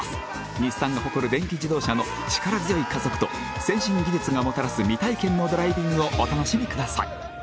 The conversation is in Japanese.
日産が誇る電気自動車の力強い加速と先進技術がもたらす未体験のドライビングをお楽しみください